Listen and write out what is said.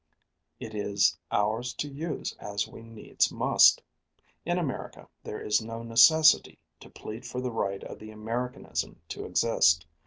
It is ours to use as we needs must. In America there is no necessity to plead for the right of the Americanism to exist.